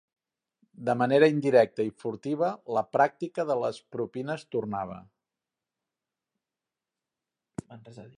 De manera indirecta i furtiva la pràctica de les propines tornava